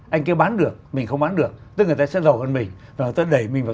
anh kia bán được mình không bán được tức là người ta sẽ giàu hơn mình và người ta sẽ đẩy mình vào